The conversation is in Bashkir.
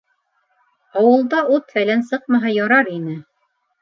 Ауылда ут-фәлән сыҡмаһа ярар ине...